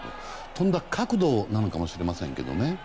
飛んだ角度なのかもしれませんけどね。